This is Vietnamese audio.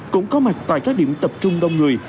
cũng có mặt tại các điểm tập trung đông người